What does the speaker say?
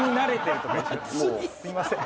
すいません。